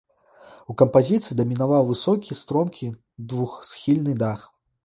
У кампазіцыі дамінаваў высокі стромкі двухсхільны дах.